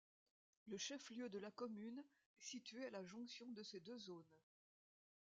Le chef-lieu de la commune est situé à la jonction de ces deux zones.